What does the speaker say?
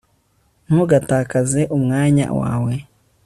ntugatakaze umwanya wawe